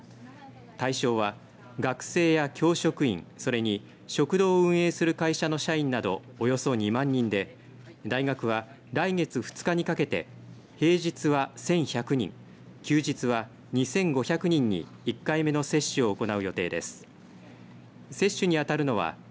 対象は、学生や教職員それに食堂を運営する会社の社員などおよそ２万人で大学は来月２日にかけて平日は１１００人休日は２５００人に１回目の接種を行う予定です。